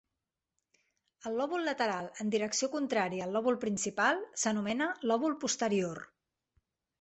El lòbul lateral en direcció contrària al lòbul principal s'anomena "lòbul posterior".